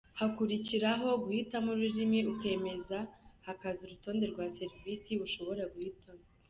Hakurikiraho guhitamo ururimi ukemeza, hakaza urutonde rwa serivisi ushobora guhitamo.